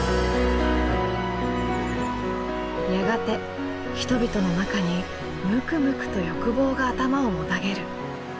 やがて人々の中にムクムクと欲望が頭をもたげる。